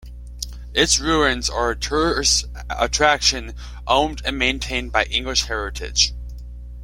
Its ruins are a tourist attraction, owned and maintained by English Heritage.